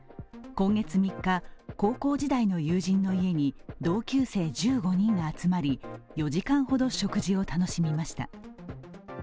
今月３日高校時代の友人の家に同級生１５人が集まり４時間ほど食事を楽しみました。